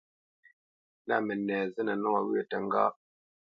Lâ mənɛ zínə nɔwyə̂ təŋgá.